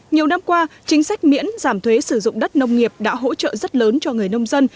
nhiều năm qua chính sách miễn giảm thuế sử dụng đất nông nghiệp đã hỗ trợ rất lớn cho người nông dân